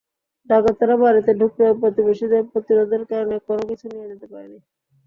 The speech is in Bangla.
ডাকাতেরা বাড়িতে ঢুকলেও প্রতিবেশীদের প্রতিরোধের কারণে কোনো কিছু নিয়ে যেতে পারেনি।